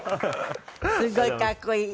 すごいかっこいい。